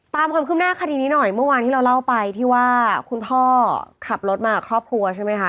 ความคืบหน้าคดีนี้หน่อยเมื่อวานที่เราเล่าไปที่ว่าคุณพ่อขับรถมากับครอบครัวใช่ไหมคะ